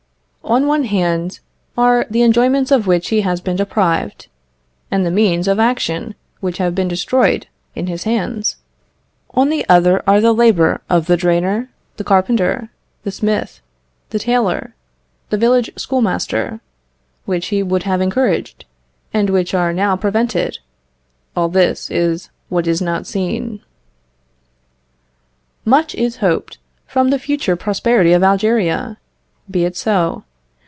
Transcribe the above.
On one hand, are the enjoyments of which he has been deprived, and the means of action which have been destroyed in his hands; on the other, are the labour of the drainer, the carpenter, the smith, the tailor, the village schoolmaster, which he would have encouraged, and which are now prevented all this is what is not seen. Much is hoped from the future prosperity of Algeria; be it so.